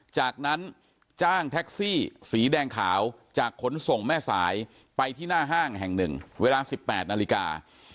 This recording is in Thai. จากนั้นจ้างแท็กซี่สีแดงขาวจากขนส่งแม่สายไปที่หน้าห้างแห่งหนึ่งเวลา๑๘นาฬิกา